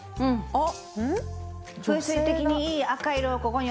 「あっ！」